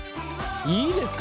いいですか？